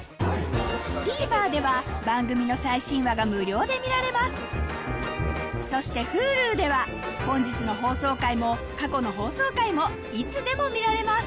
ＴＶｅｒでは番組の最新話が無料で見られますそしてＨｕｌｕでは本日の放送回も過去の放送回もいつでも見られます